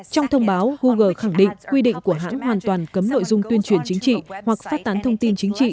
trong thông báo google khẳng định quy định của hãng hoàn toàn cấm nội dung tuyên truyền chính trị